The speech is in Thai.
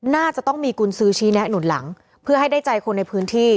น่าจะต้องมีกุญซื้อชี้แนะหนุนหลังเพื่อให้ได้ใจคนในพื้นที่